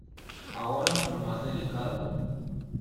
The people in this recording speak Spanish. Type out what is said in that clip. Ahora, lo más delicado.